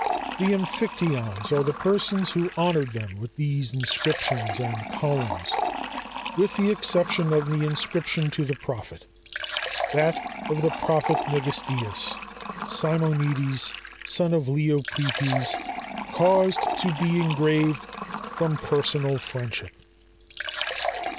[Footnote 53: Three millions.] The Amphictyons are the persons who honored them with these inscriptions and columns, with the exception of the inscription to the prophet; that of the prophet Megistias, Simonides, son of Leoprepes, caused to be engraved, from personal friendship.